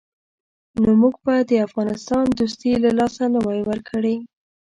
نو موږ به د افغانستان دوستي له لاسه نه وای ورکړې.